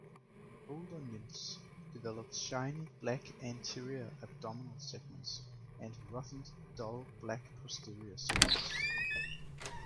Older nymphs develop shiny black anterior abdominal segments, and roughened, dull black posterior segments.